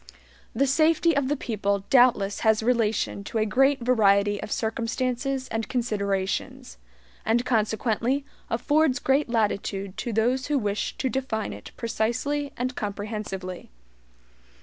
The SAFETY of the people doubtless has relation to a great variety of circumstances and considerations, and consequently affords great latitude to those who wish to define it precisely and comprehensively.